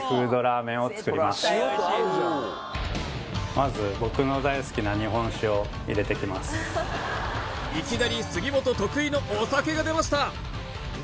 まずいきなり杉本得意のお酒が出ました